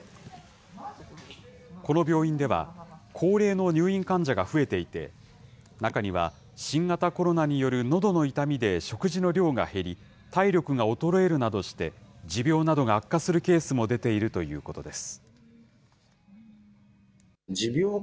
この病院では、高齢の入院患者が増えていて、中には新型コロナによるのどの痛みで食事の量が減り、体力が衰えるなどして、持病などが悪化するケースも出ているということです。